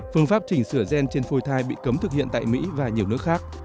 phương pháp chỉnh sửa gen trên phôi thai bị cấm thực hiện tại mỹ và nhiều nước khác